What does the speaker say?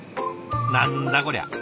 何だこりゃ。